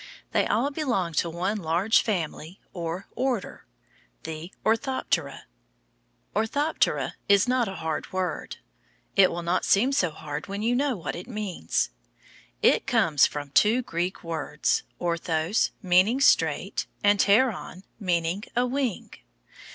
They all belong to one large family or order, the ORTHOPTERA. Or thop te ra, is it not a hard word! It will not seem so hard when you know what it means. It comes from two Greek words orthos, meaning straight, and pteron, meaning a wing.